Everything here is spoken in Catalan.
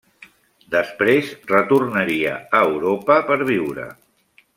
Després retornaria a Europa per viure.